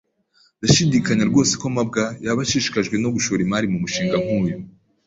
Ndashidikanya rwose ko mabwa yaba ashishikajwe no gushora imari mumushinga nkuyu.